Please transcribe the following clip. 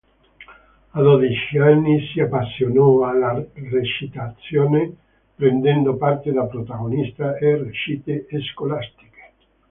A dodici anni si appassionò alla recitazione, prendendo parte da protagonista a recite scolastiche.